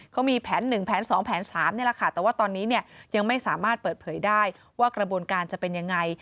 เขามีแผนหนึ่งแผนสองแผนสามแต่ว่าตอนนี้ยังไม่สามารถเปิดเผยได้ว่ากระบวนการจะเป็นยังไง